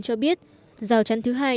cho biết rào chắn thứ hai